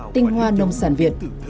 tinh hoa nông sản việt